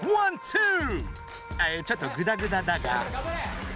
ちょっとグダグダだが。